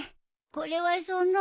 これはその。